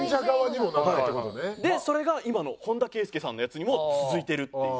でそれが今の本田圭佑さんのやつにも続いてるっていう。